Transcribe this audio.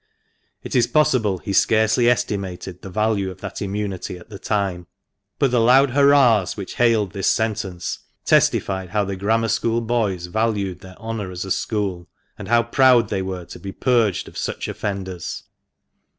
It is possible he scarcely estimated the value of that immunity at the time. But the loud hurrahs which hailed this sentence testified how the Grammar School boys valued their honour as a school, and how proud they were to be purged of such offenders.